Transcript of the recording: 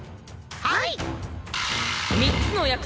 はい！